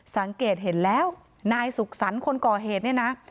สังเกตเห็นแล้วนายสุขสรรค์คนก่อเหตุ